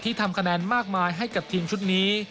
ทำคะแนนมากมายให้กับทีมชุดนี้